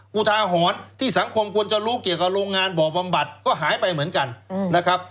อุทาหรณ์ที่สังคมควรจะรู้เกี่ยวกับโรงงานบ่อบำบัดก็หายไปเหมือนกันนะครับ